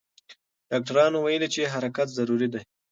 ډاکټران ویلي چې حرکت ضروري دی.